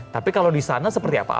tapi kalau di sana seperti apa